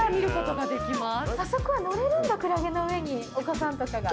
あそこは乗れるんだクラゲの上にお子さんとかが。